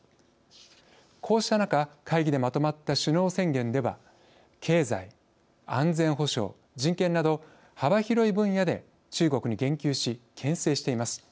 こうした中会議でまとまった首脳宣言では経済、安全保障、人権など幅広い分野で、中国に言及しけん制しています。